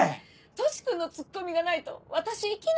トシ君のツッコミがないと私生きないよ。